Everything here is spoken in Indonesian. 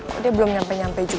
tapi dia belum nyampe nyampe juga